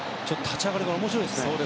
立ち上がりから面白いですね。